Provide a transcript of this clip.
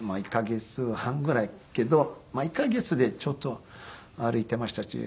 １カ月半ぐらいだけど１カ月でちょっと歩いてました。